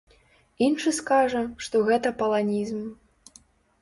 Іншы скажа, што гэта паланізм.